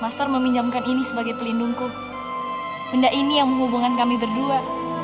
master meminjamkan ini sebagai pelindungku benda ini yang menghubungkan kami berdua